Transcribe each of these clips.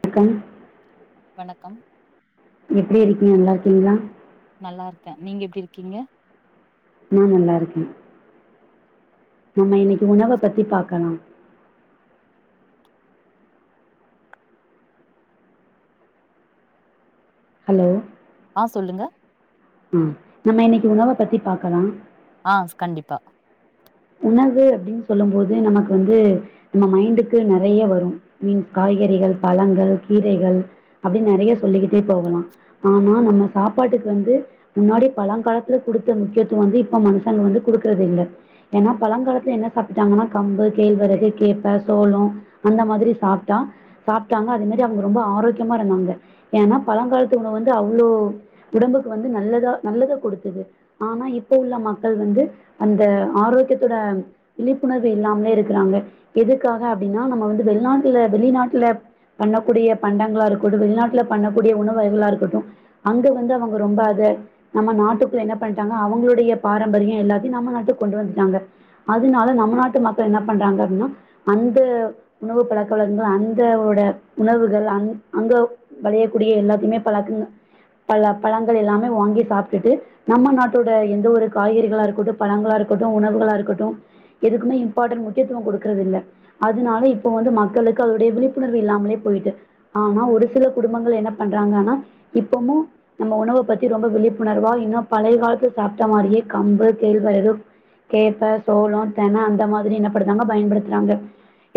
வணக்கம் [inaudible] வணக்கம் எப்படி இருக்கீங்க நல்லா இருக்கீங்களா நல்லா இருக்கே நீங்க எப்டி இருக்கீங்க நான் நல்லா இருக்கேன் நம்ம இன்னைக்கு உணவ பத்தி பாக்கலா ஹலோ ஆ சொல்லுங்க உஹ் நம்ம இன்னைக்கு உணவ பத்தி பாக்கலா ஆஹ் கண்டிப்பா உணவு அப்படின்னு சொல்லும் போது நமக்கு வந்து நம்ம மைண்டுக்கு நிறைய வரும் பீன்ஸ் காய்கறிகள் பழங்கள் கீரைகள் அப்படின்னு நிறைய சொல்லிக்கிட்டே போகலாம் ஆனா நம்ம சாப்பாட்டுக்கு வந்து முன்னாடி பழங்காலத்துல குடுத்த முக்கியத்துவம் வந்து இப்ப மனுஷங்க வந்து குடுக்கறது இல்லை ஏன்னா பழங்காலத்துல என்ன சாப்ட்டாங்கன்னா கம்பு கேழ்வரகு கேப்ப சோளொ அந்த மாதிரி சாப்ட்டா சாப்ட்டாங்க அதே மாதிரி அவங்க ரொம்ப ஆரோக்கியமா இருந்தாங்க ஏன்னா பழங்காலத்து உணவு வந்து அவ்வளோ உடம்புக்கு வந்து நல்லதா நல்லத கொடுத்தது ஆனா இப்போ உள்ள மக்கள் வந்து அந்த ஆரோக் க்கியத்தோட விழிப்புணர்வு இல்லாமலே இருக்கிறாங்க எதுக்காக அப்டின்னா நம்ம வந்து வெளிநாட்டுல வெளிநாட்டுல பண்ணக்கூடிய பண்டங்களா இருக்கட்டு வெளிநாட்டுல பண்ணக்கூடிய உணவு வகைகளா இருக்கட்டு அங்க வந்து அவங்க ரொம்ப அத நம்ம நாட்டுக்குள்ள என்ன பண்ணிட்டாங்க அவங்களுடைய பாரம்பரிய எல்லாத்தையு நம்ம நாட்டு கொண்டு வந்துட்டாங்க அதனால நம்ம நாட்டு மக்கள் என்ன பண்றாங்க அப்படின்னா அந்த உணவு பழக்க வழக்கங்கள் அந்தோட உணவுகள் அஅங்க விளையக்கூடிய எல்லாத்தையுமே பழக்கங்கள் பழ பழங்கள் எல்லாமே வாங்கி சாப்பிட்டுட்டு நம்ம நாட்டோட எந்த ஒரு காய்கறிகளா இருக்கட்டும் பழங்களா இருக்கட்டும் உணவுகளா இருக்கட்டும் ருக்கட்டு எதுக்குமே இம்பார்டண்ட் முக்கியத்துவொ கொடுக்கறது இல்ல அதனால இப்ப வந்து மக்களுக்கு அதுடைய விழிப்புணர்வு இல்லாமலே போயிட்டு ஆனா ஒரு சில குடும்பங்கள் என்ன பண்றாங்கன்னா இப்பமு நம்ம உணவைன பத்தி ரொம்ப விழிப்புணர்வா இன்னு பழைய காலத்து சாப்ட்ட மாரியே கம்பு கேழ்வர கேப்ப சோளம் தென அந்த மாதிரி என்னப்படுறாங்க பயன்படுத்துறாங்க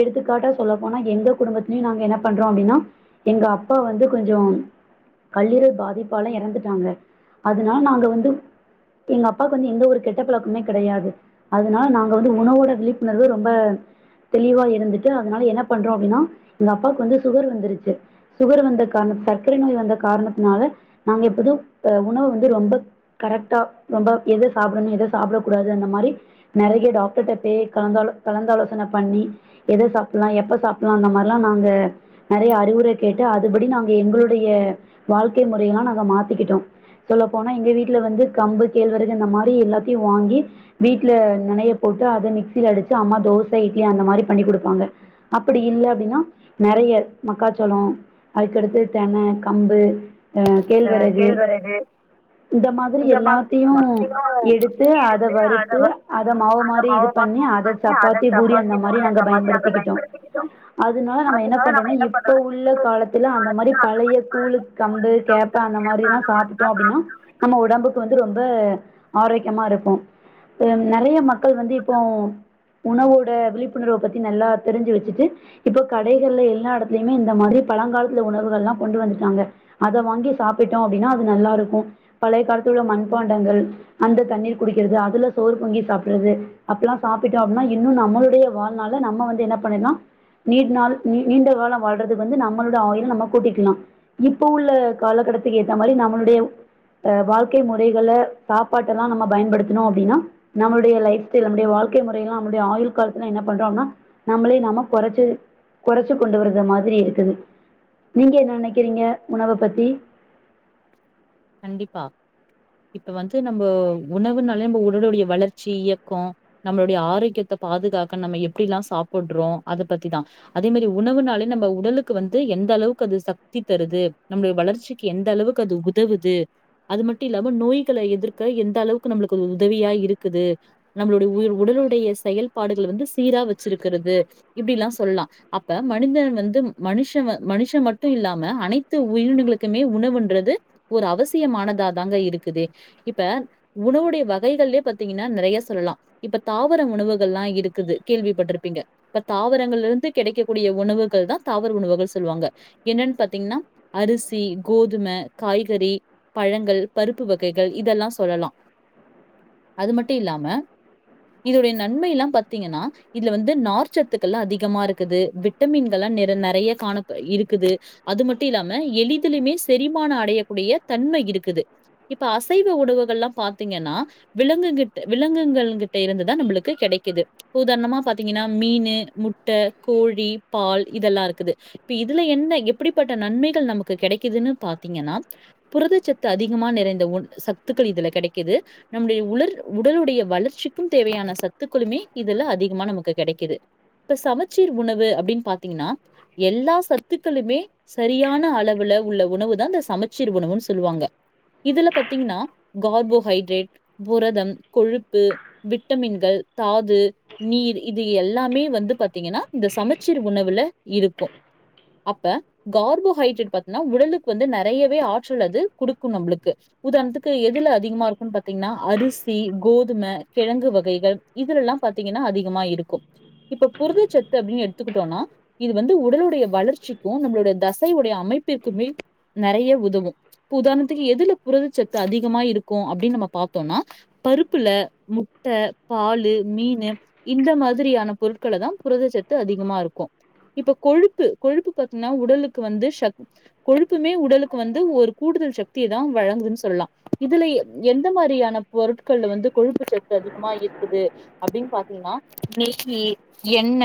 எடுத்துக்காட்டா சொல்லப்போனா எங்க குடும்பத்தலயும் நாங்க என்ன பண்றோம் அப்படின்னா எங்க அப்பா வந்து கொஞ்சம் கல்லீரல் பாதிப்பாலா இறந்துட்டாங்க அதனால நாங்க வந்து எங்க அப்பாவுக்கு வந்து எந்த ஒரு கெட்ட பழக்கமே கிடையாது அதனால நாங்க வந்து உணவோட விழிப்புணர்வு ரொம்ப தெளிவா இருந்துட்டு அதனால என்ன பண்றோம் அப்படின்னா எங்க அப்பாவுக்கு வந்து சுகர் வந்துருச்சு சுகர் வந்த காரண சர்க்கரை நோய் வந்த காரணத்தினால நாங்க எப்போதும் உணவு வந்து ரொம்ப கரெக்டா ரொம்ப எதை சாப்பிடணும் எதை சாப்பிடக் கூடாது அந்த மாதிரி நெறைய டாக்டர்க்ட்ட பேய கலந்தல கலந்தாலோசன பண்ணி எத சாப்பிடலா எப்ப சாப்பிட்லா அந்த மாரிலா நாங்க நறைய அறிவுரை கேட்டு அதுபடி நாங்க எங்களுடைய வாழ்க்கை முறைய எல்லா நாங்க மாத்திக்கிட்டோ சொல்ல போனா எங்க வீட்ல வந்து கம்பு கேழ்வரகு இந்த மாரி எல்லாத்தையு வாங்கி வீட் வீட்டுல நெனைய போட்டு அத மிக்சில அடிச்சு அம்மா தோச இட்லி அந்த மாரி பண்ணி குடுப்பாங்க அப்படி இல்ல அப்டின்னா நெறைய மக்காச்சோளம் அதுக்கடுத்து தென கம்பு அ கேள்வரகு கேழ்வரகு இந்த மாதிரி எல்லாத்தியு எடுத்து அதை வறுத்து அத மாவு அந்த மாரி இது மாவு பண்ணி அத மாத்தி சப்பாத்தி பூரி அந்த மாரி பூரி நாங்க மாரி நாங்க பயன்படுத்திகிட்டோ பயன்படுத்திக்கிட்டோ அதுனால நம்ம என்ன அதனால நம்ம பண்றோன்னா இப்ப உள்ள பண்ணோனா காலத்துல அந்த மாரி பழைய கூலு கம்பு இப்ப அந்த மாரில்லா சாப்ட்டோ அப்டின்னா நம்ம உடம்புக்கு வந்து ரொம்ப ஆரோக்கியமா இருக்கு நெறய மக்கள் வந்து இப்போ உணவோட விழிப்புணர்வ பத்தி நல்லா தெரிஞ்சு வச்சுட்டு இப்போ கடைகள்ல எல்லா எடத்லயுமே இந்த மாரி பழாங்காலத்து உணவுகள்லா கொண்டு வந்துட்டாங்க அத வாங்கி சாப்பிட்டோ அப்படின்னா அது நல்லா இருக்கு பழைய காலத்துல மண்பாண்டங்கள் அந்த தண்ணீர் குடிக்கிறது அதுல சோறு பொங்கி சாப்பிறது அப்டில்லா சாப்பிட்டோ அப்படின்னா இன்னு நம்மளுடைய வாழ்நாள் நம்ம வந்து என்ன பண்ணலா நீண்ட நாள் நீ நீண்ட காலம் வாழ்றது வந்து நம்மளோட ஆயில நம்ம கூட்டிக்கிலா இப்போ உள்ள காலகட்டத்துக்கு ஏத்தா மாரி நம்மளுடைய அ வாழ்க்கை முறைகள சாப்பாட்டல்லா நம்ம பயன்படுத்தனோ அப்டினா நம்மளுடைய லைஃப் ஸ்டைல் நம்முடைய வாழ்க்கை முறையலா நம்மடைய ஆயுள் காலத்துல என்ன பண்றோ அப்டினா நம்மளே நாம கொறச்சு கொறச்சு கொண்டு வருகிற மாதிரி இருக்குது நீங்க என்ன நினைக்கிறீங்க உணவ பத்தி கண்டிப்பா இப்ப வந்து நம்ப உணவுனாலே நம்ம உடலுடைய வளர்ச்சி இயக்கோ நம்மளுடைய ஆரோக்கியத்த பாதுகாக்க நம்ம எப்டிலா சாப்புட்றோ அத பத்திதான் அதே மேரி உணவுனாலே நம்ம உடலுக்கு வந்து எந்த அளவுக்கு அது சக்தி தருது நம்மளுடைய வளர்ச்சிக்கு எந்த அளவுக்கு அது உ தவுது அது மட்டு இல்லாம நோய்கள எதிர்க்க எந்த அளவுக்கு நம்ளுக்கு உதவியா இருக்குது நம்மளுடைய உடலுடைய செயல்பாடுககள வந்து சீரா வச்சிருக்கிறது இப்டிலா சொல்லா அப்ப மனிதன் வந்து மனுஷ மனுஷன் மட்டு இல்லாம அனைத்து உயிரினங்களுக்குமே உணவுன்றது ஒரு அவசியமானதாதாங்க இருக்குதே இப்ப உணவுடைய வகைகள்ளயே பாத்தீங்கன்னா நெறையா சொல்லலா இப்ப தாவர உணவுகள்லாம் இருக்குது கேள்விப்பட்டிருப்பீங்க இப்ப தாவரங்கள்ல இருந்து கிடைக்கக்கூடிய உணவுகள்தா தாவர உணவுகள் சொல்வாங்க என்னன் பாத்தீங்கன்னா அரிசி கோதும காய்க சரி பழங்கள் பருப்பு வகைகள் இதெல்லா சொல்லலா அது மட்டு இல்லாம இதுடைய நன்மைலா பாத்தீங்கன்னா இதுல வந்து நார்ச்சத்துக்கள்லா அதிகமா இருக்குது விட்டமின்கள்ல்லா நிற நறைய காணப் இருக்குது அது மட்டு இல்லாம எளிதுலயுமே செரிமானோ அடையக் கூடிய தன்மை இருக்குது இப்ப அசைவ உணவுகள்லா பாத்தீங்கன்னா விலங்குங்கிட்ட விலங்குகள்கிட்ட இருந்துதா நம்மளுக்கு கெடைக்கிது உதாரணமா பாத்தீங்கனா மீனு முட்ட கோழி பால் இதெல்லாருக்குது இப்ப இதுல என்ன எப்படிப்பட்ட நன்மைகள் நமக்கு கெடைக்குதுன்னு பாத்தீங்கன்னா புரதச்சத்து அதிகமா நெறைந்த உன் சத்துக்கள் இதுல கெடைக்கிது நம்முடைய உலர் உடலுடைய வளர்ச்சிக்கு தேவையான சத்துக்களுமே இதுல அதிகமா நமக்கு கெடைக்குது இப்ப சமச்சீர் உணவு அப்படின் பாத்தீங்கன்னா எல்லா சத்துக்களுமே சரியான அளவுல உள்ள உணவு தா இந்த சமச் சீர் உணவுன் சொல்வாங்க இதுல பாத்தீங்னா கார்போஹைட்ரேட் புரதம் கொழுப்பு விட்டமின்கள் தாது நீர் இது எல்லாமே வந்து பாத்தீங்கனா இந்த சமச்சீர் உணவுல இருக்கு அப்ப கார்போஹைட்ரேட் பாத்னா உடலுக்கு வந்து நெறய வே ஆற்றல் அது குடுக்கு நம்ளுக்கு உதாரணத்துக்கு எதுல அதிகமா இருக்கும்னு பாத்தீங்ன்னா அரிசி கோதும கிழங்கு வகைகள் இதுலலா பாத்தீங்கன்னா அதிகமா இருக்கு இப்ப புருதச்சத்து அப்டின்னு எடுத்துக்கிட்டோனா இது வந்து உடலுடைய வளர்ச்சிக்கு நம்மளோட தசையுடைய அமைப்பிற்குமே நெறய உதவு இப்ப உதாரணத்துக்கு எதுல புரதச்சத்து அதிகமா இருக்கு அப்டின்ன நம்ம பாத்தோம்னா பருப்புல முட்ட பாலு மீனு இந்த மாதிரியான பொருட்களதா புரதச்சத்து அதிகமா இருக்கு இப்ப கொழுப்பு கொழுப்பு பாத்தீங்னா உடலுக்கு வந்து ஷக் கொழுப்புமே உடலுக் வந்து ஒரு கூடுதல் ஷக்திதா வழங்குன்னு சொல்லா இதுல எந்த மாரியான பொருட்கள் வந்து கொழுப்பு சத்து அதிகமா இருக்குது அப்படின் பாத்தீங்ன்னா நெய்யி எண்ண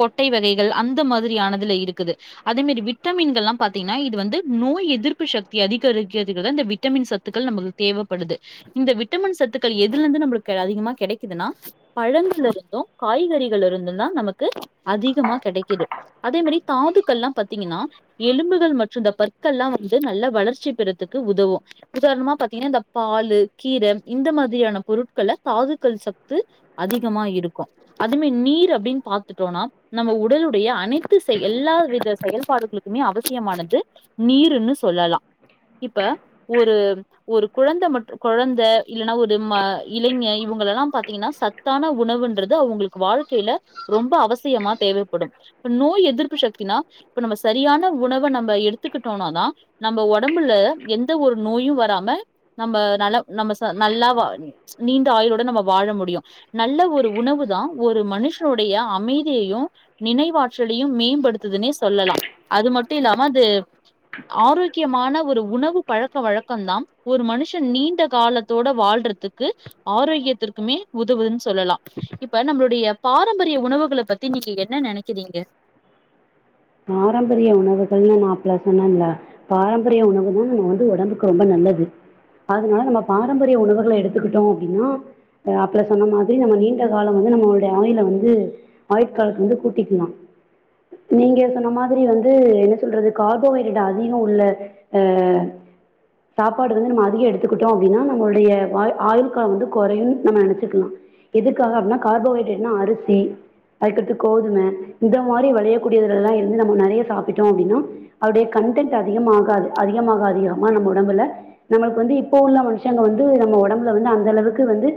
கொட்டை வகைகள் அந்த மாதிரியானதுல இருக்குது அதே மேரி விட்டமின்கல்லா பாத்தீங்னா இது வந்து நோய் எதிர்ப்பு சக்தி அதிகரிக்கிறதுக்காக இந்த விட்டமின் சத்துக்கள் நம்பளுக்கு தேவபடுது இந்த விட்டமின் சத்துக்கள் எதுலிருந்து நம்மளுக்கு அதிகமா கெடைக்கிதுனா பழங்கள்ல இருந்து காய்கறிகள்ள இருந்தும்தா நமக்கு அதிகமா கெடைக்கிது அதே மேரி தாதுக்கல்லா பாத்தீங்கன்னா எலும்புகள் மற்று க்கல்லா வந்து நல்ல வளர்ச்சி பெரத்துக்கு உதவு உதாரணமா பா்த்தீங்கன்னா இந்த பாலு கீர இந்த மாதிரியான பொருட்கல தாதுக்கல் சத்து அதிகமா இருக்கு அதுமே நீர் அப்படின் பாத்துட்டோனா நம்ம உடலுடைய அனைத்து எல்லா வித செயல்பாடுகளுக்குமே அவசியமானது நீர்ருன்னு சொல்லலா இப்ப ஒரு ஒரு குழந்த மற்று கொழந்த இல்லன்னா ஒரு ம இளைஞ இவங்களல்லா பாத்தீங்கன்னா சத்தான உணவுன்றது அவுங்களுக்கு வாழ்க்கைல ரொம்ப அவசியமா தேவைப்படும் இப்ப நோய் எதிர்ப்பு ஷக்தினா இப்ப நம்ம சரியான உணவ நம்ம எடுத் துக்கிட்டோனாதா நம்ம ஒடம்புல எந்த ஒரு நோயு வராம நம்ம நல்ல நம்ம நல்லா நீண்ட ஆயுளோட நம்ம வாழ முடியு நல்ல ஒரு உணவு தான் ஒரு மனுஷருடைய அமைதியையும் நினைவாற்றலியு மேம்படுத்துதுன்னே சொல்லலா அது மட்டு இல்லாம அது ஆரோக்கியமான ஒரு உணவு பழக்க வழக்கந்தா ஒரு மனுஷன் நீண்ட காலத்தோட வாழ்றதுக்கு ஆரோக்கியத்திற்குமே உதவுதுன்னு சொல்லலா இப்ப நம்மளுடைய பாரம்பரிய உணவுகளை பத்தி நீங்க என்ன நெனக்கிறீங்க பாரம்பரிய உணவுகள்னு நா ஆப்ல சொன்னேன்ல பாரம்பரிய உணவு தான் நம்ம வந்து உடம்புக்கு ரொம்ப நல்லது அதுனால நம்ம பாரம்பரிய உணவுகள எடுத்துக்கிட்டோ அப்படின்னா ஆப்ல சொன்ன மாதிரி நம்ம நீண்ட காலோ வந்து நம்மளுடைய ஆயில வந்து ஆயுட்காலத்த வந்து கூட்டிக்கிலா நீங்க சொன்ன மாதிரி வந்து என்ன சொல்றது கார்போஹைட்ரேட் அதிகோ உள்ள சாப்பாடு வந்து நம்ம அதிகோ எடுத்துக்கிட்டோ அப்படின்னா நம்மளுடைய ஆயுள் காலோ வந்து கொறையு நம்ம நெனச்சுக்கலா எதற்காக அப்படினா கார்போஹைட்ரேட்னா அரிசி அதுக்கடுத்து கோதும இந்த மாரி விளயக்கூடியதுலா வந்து நம்ம நெறைய சாப்பிட்டோ அப்டினா அதுடைய கன்டென்ட் அதிகமாகாது அதிகமாக அதிகமா நம்ம ஒடம்புல நம்மலுக்கு வந்து இப்போ உள்ள மனுஷங்க வந்து நம்ம ஒடம்புல வந்து அந்தளவுக்கு வந்து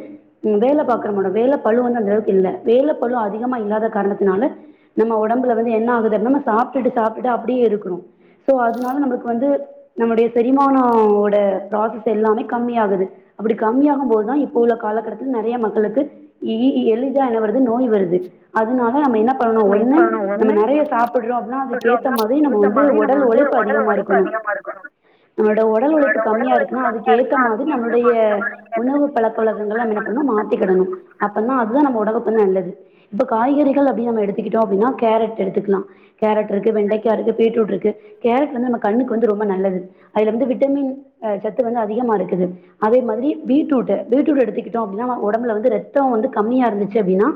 வேல பாக்கிறவங்களோட வேல பலு வந்து அந்த அளவுக்கு இல்ல வேல பலு அதிகமா இல்லாத காரணத்தினால நம்ம ஒடம்புல வந்து என்ன ஆகுது நம்ம சாப்டுட்டு சாப்டுட்டு அப்படியே இருக்கோ சோ அதுனால நமலுக்கு வந்து நம்முடைய செரிமானோ ஓட ப்ராசாஸ் எல்லாமே கம்மியாகுது அப்டி கம்மியாகும்போதுதா இப்ப உள்ள காலகட்டத்துக்கு நெறைய மக்களுக்கு எளிதா [unintelligible] து நோய் வருது அதுனால நம்ம என்ன பண்ணணு ஒண்ணு இப்ப நம்ம ஒண்ணு நெறைய சாப் னா சொல்றோம் அதுக்கேத்த அப்டின்னா மாதிரி நம்ம ஏத்த வந்து மாதிரி நம்ம ஒடல் வந்து உழைப்பு உடல் உழைப்பு அதிகமாருக்கணு அதிகமா இருக்கணும் நம்மோட ஒடல் நம்மளோட உழைப்பு கம்மியா உடல் உழைப்பு இருக்குனா கம்மியா அதுக்கேத்த இருக்குன்னா மாதிரி அதுக்கு ஏத்த நம்முடைய மாதிரி உணவு பழக்க வழக்கங்கள என்ன பண்ணனு மாத்திக்கிடணு உடம்புக்கு நல்லது இப்ப காய்கறிகள் அப்டின் நம்ம எடுத்துக்கிட்டோ அப்படின்னா கேரட் எடுத்துக்லா கேரட் இருக்கு வெண்டைக்கா இருக்கு பீட்ரூட் இருக்கு கேரட் வந்து நம்ம கண்ணுக்கு வந்து ரொம்ப நல்லது அதுல வந்து விட்டமின் சத்து வந்து அதிகமாக இருக்குது அதே மாதிரி பீட்ரூட் பீட்ரூட் எடுத்துக்கிட்டோ அப்படின்னா ஒடம்புல வந்து ரத்ததோ வந்து கம்மியா இருந்துச்சு அப்டின்னா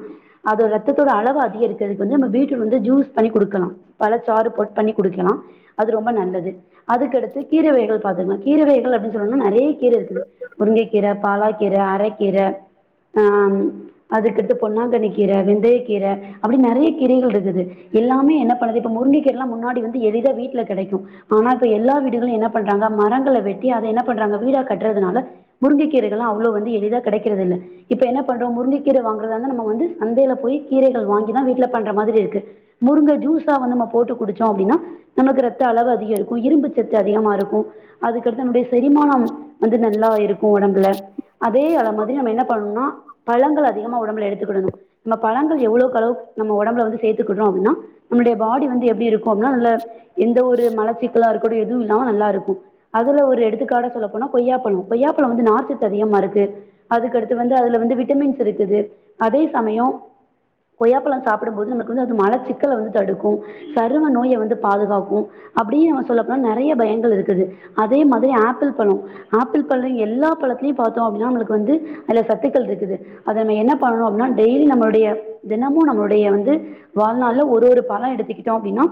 அதோட ரத்தோட அளவு அதிகரிக்றதுக்கு வந்து வந்து நம்ம பீட்ரூட் வந்து ஜூஸ் பண்ணி குடுக்கலா பல சாறு போட் பண்ணி குடிக்கலா அது ரொம்ப நல்லது அதுக்கடுத்து கீரைவகைகள் பாத்தீங்கனா கீரைவகைகள் அப்படின்னு சொல்லணும்னா நெறய கீர இருக்குது முருங்கைக்கீர பாலாக்கீர அரைக்கீர ஆஹ் அதுக்கடுத்து பொன்னாங்கன்னி கீர வெந்தய கீர அப்டி நெறய கீரைகள்ருக்குது எல்லாமே என்ன பண்ணுது இப்ப முருங்க கீரலா முன்னாடி வந்து எளிதா வீட்ல கெடைக்கு ஆனா இப்ப எல்லா வீடுகளு என்ன பண்றாங்க மரங்கள வெட்டி அத என்ன பன்றாங்க வீடா கற்றதுனால முருங்கை கீரைங்கலா அவ்ளோ எளிதா கெடக்கிறதில்ல இப்ப என்ன பண்றோ முருங்க கீர வாங்கிறதா இருந்தா நம்ம வந்து சந்தைல போய் கீரைகள் வாங்கிதா வீட்ல பண்ற மாதிரி இருக்கு முருங்க ஜூஸ் சா வந்து நம்ம போட்டு குடிச்சோ அப்படின்னா நமக்கு ரத்த அளவு அதிகரிக்கும் இரும்பு சத்து அதிகமாருக்கு அதுக்கடுத்து வந்து செரிமானம் வந்து நல்லா இருக்கும் ஒடம்புல அதே அத மாதிரி நம்ம என்ன பண்ணுனா பழங்கள் அதிகமா உடம்புல எடுத்துக்கிடணும் நம்ம பழங்கள் எவ்லோக்களவு நம்ம ஒடம்ல வந்து சேர்த்துக்கடுறோ அப்படின்னா நம்முடைய பாடி வந்து எப்படி இருக்கு அப்டினா நல்ல எந்த ஒரு மலச்சிக்கல்லா இருக்கடும் எதுவும் இல்லாம நல்லா இருக்கு அதுல ஒரு எடுத்துக்காட்டு சொல்லப்போனா கொய்யாப்பழ கொய்யாப்பழ வந்து நாார்ச்சத்து அதிகமா இருக்கு அதுக்கடுத்து வந்து அதுல வந்து விட்டமின்ஸ்ருக்குது அதே சமயோ கொய்யாப்பழ சாப்பிடும்போது நமக்கு வந்து அது மலச்சிக் கல வந்து தடுக்கு சரும நோய வந்து பாதுகாக்கு அப்டியே நம்ம சொல்லபோனா நெறய பயன்கள் இருக்குது அதே மாதிரி ஆப்பிள் பழ ஆப்பிள் பழ எல்லா பழத்லயு பாத்தோ அப்டினா நமலுக்கு வந்து அதுல சத்துக்கள்ருக்குது அத நம்ம என்ன பன்றோ அப்டினா டெயிலி நம்மளுடைய தினமும் நம்மலுடைய வந்து வா ழ்நாள்ல ஒரு ஒரு பழ எடுத்துக்கிட்டோ அப்டினா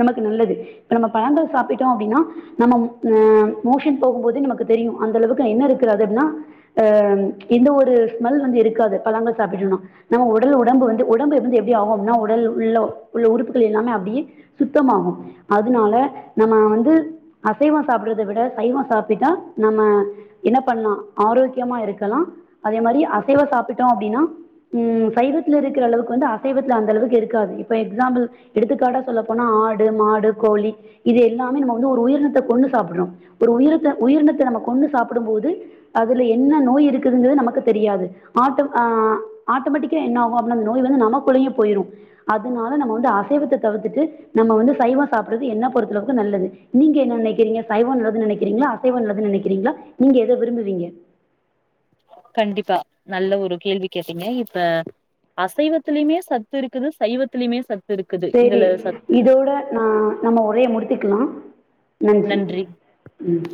நமக்கு நல்லது நம்ம பழங்கள் சாப்பிட்டோ அப்டினா நம மோஷன் போகும்போது நமக்கு தெரியு அந்த அளவுக்கு என்னருக்கு அது அப்டின்னா எந்த ஒரு ஸ்மெல் வந்து இருக்காது பழங்கள் சாப்பிட்டோனா நம்ம ஒடல் உடம்பு வந்து உடம்புவந்து எப்டி ஆகு அப்டினா உடல் உள்ள உள்ள உறுப்புகள் எல்லாமே அப்படியே சுத்தமாகு அதுனால நம்ம வந்து அசைவோ சாப்புட்றத விட சைவோ சாப்பிட்டா நம்ம என்ன பண்லா ஆரோக்கியமா இருக்கலா அதே மாரி அசைவோ சாப்பிட்டோ அப்டின்னா ம் சைவத்ல இருக்ற அளவுக்கு வந்து அசைவத்ல அந்த அளவுக் இப்ப எக்ஸாம்பில் எடுத்துக்காட்டா சொல்லப்போனா ஆடு மாடு கோழி இது எல்லாமே நம்ம வந்து ஒரு உயிரினத்த கொன்னு சாப்புட்றோ ஒரு உயிரினத உயினத்த நம்ம கொண்னு சாப்டும் போது அதுல என்ன நோய் இருக்குதுங்றது நமக்கு தெரியாது ஆட்டோ ஆ ஆட்டோமேட்டிக்கா என்ன ஆகு அப்டினா அந்த நோய் வந்து நமக்குள்ளயே போயிரு அதுனால நாம வந்து அசைவத்தை தவிர்த்துட்டு நம்ம வந்து சைவோ சாப்பிடுறது என்ன பொறுத்தளவுக்கு நல்லது நீங்க என்ன நினைக்கிறீங்க சைவோ நல்லதுனு நினைக்கிறீங்களா அசைவோ நல்லதுன்னு நெனக்றீங்ளா நீங்க எத விரும்புவீங்க கண்டிப்பா நல்ல ஒரு கேள்வி கேட்டீங்க இப்ப அசைவத்திலயுமே சத்து இருக்குது சைவத்திலயுமே சத் இருக்குது சேரி இதுல இதோட நா நம்ம உரைய முடித்துக்கலா நன்றி ம்